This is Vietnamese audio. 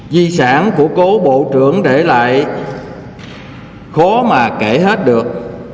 di sản của cố bộ trưởng để lại khó mà kể hết được